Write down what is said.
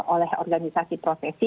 oleh organisasi profesi